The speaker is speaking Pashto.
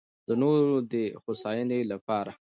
د نورو دې هوساينۍ لپاره